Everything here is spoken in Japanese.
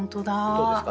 どうですか？